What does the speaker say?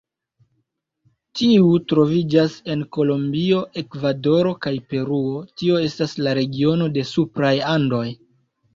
Tiu troviĝas en Kolombio, Ekvadoro kaj Peruo, tio estas la regiono de supraj Andoj.